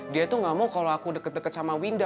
dia tuh gak mau kalau aku deket deket sama winda